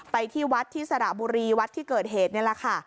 ไปที่วัดที่สระบุรีวัดที่เกิดเหตุนี่แหละค่ะ